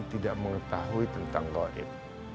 tidak mengetahui tentang goib